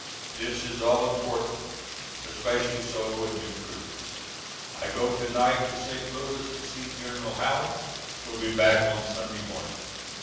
This is all important, especially so with new troops. I go tonight to St. Louis to see General Halleck; will be back on Sunday morning.